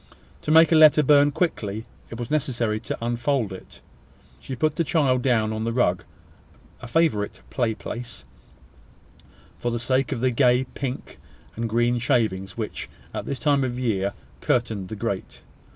To make the letter burn quickly, it was necessary to unfold it. She put the child down upon the rug a favourite play place, for the sake of the gay pink and green shavings which, at this time of the year, curtained the grate.